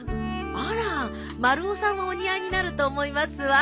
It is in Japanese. あら丸尾さんはお似合いになると思いますわ。